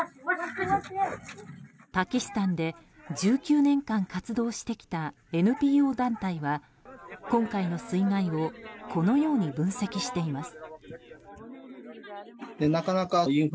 パキスタンで１９年間活動してきたＮＰＯ団体は今回の水害をこのように分析しています。